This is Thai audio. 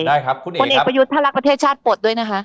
ได้ครับคุณเอกประยุทธ์ถ้ารักประเทศชาติปลดด้วยนะคะ